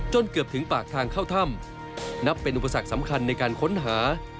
เกือบถึงปากทางเข้าถ้ำนับเป็นอุปสรรคสำคัญในการค้นหา